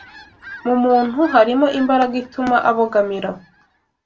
Mu muntu harimo imbaraga ituma abogamira